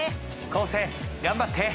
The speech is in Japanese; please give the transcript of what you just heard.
昴生頑張って！